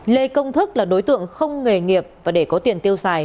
lê công thức là đối tượng không nghề nghiệp và để có tiền tiêu xài